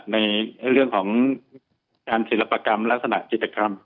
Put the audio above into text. ในเรื่องของการศิลปกรรมลักษณะจิตกรรม